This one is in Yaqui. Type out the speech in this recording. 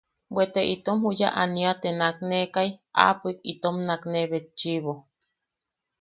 Bwe te itom juya ania te naknekai aapoik itom nakne betchiʼibo.